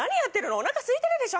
おなかすいてるでしょ。